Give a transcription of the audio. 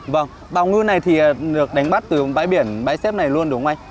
vâng bào ngư này thì được đánh bắt từ bãi biển bãi xếp này luôn đúng không anh